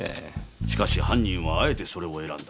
しかし犯人はあえてそれを選んだ。